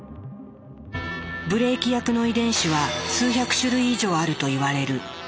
ブレーキ役の遺伝子は数百種類以上あるといわれる。